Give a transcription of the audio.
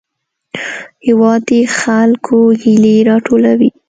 هېواد د خلکو هیلې راټولوي.